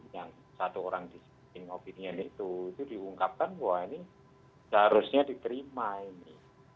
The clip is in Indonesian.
jadi saya ingin mengucapkan bahwa ini adalah hal yang harus diperlukan oleh pemerintah